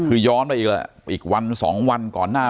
คือย้อนไปอีกวัน๒วันก่อนหน้า